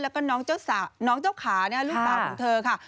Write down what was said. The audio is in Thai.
แล้วก็น้องเจ้าขาลูกสาวของเธอค่ะ